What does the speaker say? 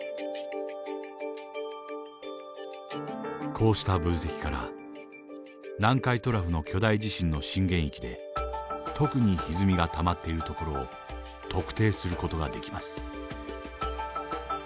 こうした分析から南海トラフの巨大地震の震源域で特にひずみがたまっている所を特定する事ができます。